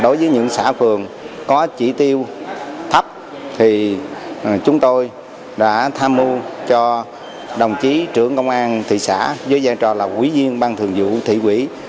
đối với những xã phường có chỉ tiêu thấp thì chúng tôi đã tham mưu cho đồng chí trưởng công an thị xã với giai trò là quý viên ban thường vụ thị quỷ